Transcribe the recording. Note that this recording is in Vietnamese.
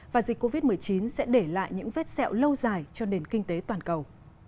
và dịch covid một mươi chín sẽ để lại những vết sẹo lâu dài cho nền kinh tế toàn cầu